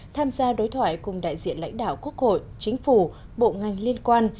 tham gia đối thoại cùng đại diện lãnh đạo quốc hội chính phủ bộ ngành liên quan